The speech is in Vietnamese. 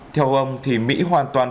theo ông thì mỹ hoàn toàn